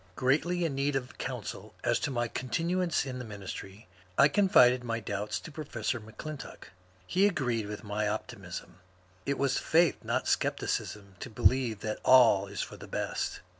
Ghreatly in need of counsel as to my continuance in the ministry, I confided my doubts to Professor M'Clintock. He agreed with my optimism ; it was faith, not scepticism, to believe that ^ all is for the best."